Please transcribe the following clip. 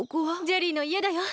ジェリーのいえだよ。